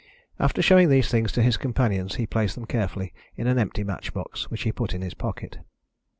After showing these things to his companions he placed them carefully in an empty match box, which he put in his pocket.